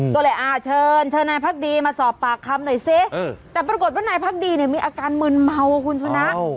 ก็เลยเชิญเชิญนายพักดีมาสอบปากคำหน่อยสิแต่ปรากฏว่านายพักดีเนี่ยมีอาการมืนเมาคุณชนะ